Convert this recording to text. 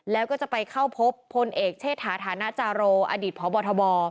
แล้วก็จะไปเข้าพบพลเอกเชษฐาฐานะจาโรอดีตพบทบ